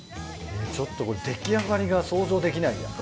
ちょっとこれ出来上がりが想像できないや。